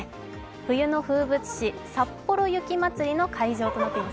冬の風物詩、さっぽろ雪まつりの会場となっています。